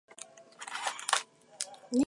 The future of these forests remains to be deployed.